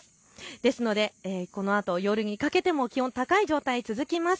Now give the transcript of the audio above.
ですので、このあと夜にかけても気温が高い状態、続きます。